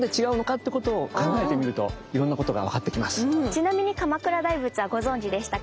ちなみに鎌倉大仏はご存じでしたか？